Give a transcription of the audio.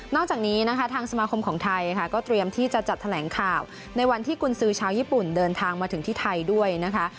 จากนี้นะคะทางสมาคมของไทยค่ะก็เตรียมที่จะจัดแถลงข่าวในวันที่กุญสือชาวญี่ปุ่นเดินทางมาถึงที่ไทยด้วยนะคะ